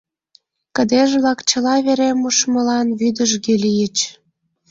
Кыдеж-влак чыла вере мушмылан вӱдыжгӧ лийыч.